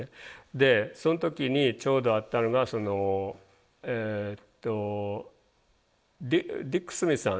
でその時にちょうどあったのがディック・スミスさん